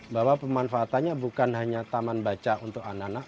bahwa pemanfaatannya bukan hanya taman baca untuk anak anak